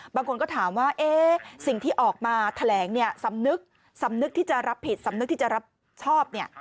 บางคนก็ถามว่าสิ่งที่ออกมาแถลงสำนึกที่จะรับผิดสำนึกที่จะรับชอบ